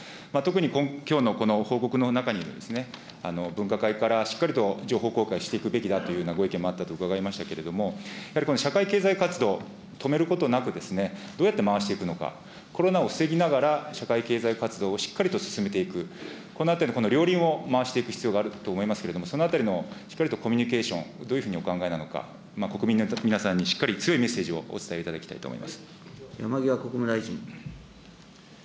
特にきょうのこの報告の中に、分科会から、しっかりと情報公開していくべきだというふうなご意見もあったと伺いましたけれども、やはり社会経済活動、止めることなく、どうやって回していくのか、コロナを防ぎながら社会経済活動をしっかりと進めていく、このあたりの両輪を回していく必要があると思いますけれども、そのあたりの、しっかりとコミュニケーション、どういうふうにお考えなのか、国民の皆さんにしっかり強いメッセージをお伝えいただきたい山際国務大臣。